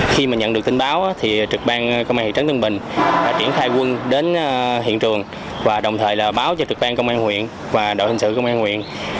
khi mà nhận được tin báo thì trực ban công an thị trấn tân bình triển khai quân đến hiện trường và đồng thời là báo cho trực ban công an huyện và đội hình sự công an huyện